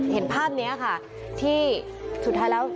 เห็นภาพนี้ค่ะที่สุดท้ายแล้ว